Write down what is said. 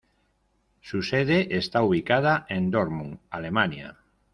Su sede está ubicada en Dortmund, Alemania.